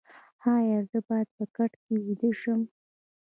ایا زه باید په کټ ویده شم؟